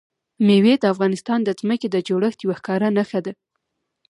مېوې د افغانستان د ځمکې د جوړښت یوه ښکاره نښه ده.